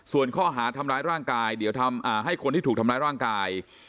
ส่วนข้อหาทำร้ายร่างกายเดี๋ยวทำให้คนที่ถูกทำร้ายร่างกาย